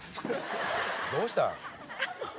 「どうしたん？」